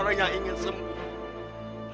orang yang ingin sembuh